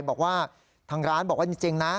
บอกว่าทางร้านบอกว่าจริงนะ